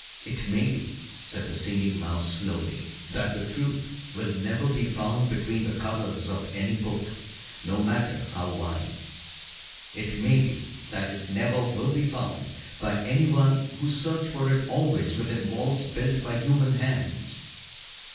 "It may be," said the Singing Mouse slowly, "that the Truth will never be found between the covers of any book, no matter how wise. It may be that it never will be found by any who search for it always within walls built by human hands.